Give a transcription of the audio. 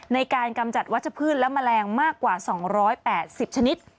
กำจัดวัชพืชและแมลงมากกว่า๒๘๐ชนิด